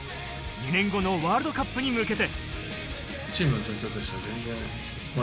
２年後のワールドカップに向けて。